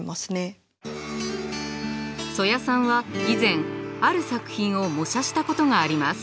曽谷さんは以前ある作品を模写したことがあります。